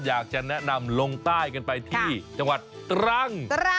อยากจะแนะนำลงใต้กันไปที่จังหวัดตรัง